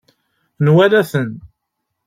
Nwala-ten.